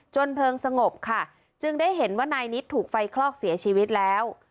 เพลิงสงบค่ะจึงได้เห็นว่านายนิดถูกไฟคลอกเสียชีวิตแล้ว